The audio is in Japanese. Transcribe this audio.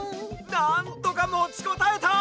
なんとかもちこたえた！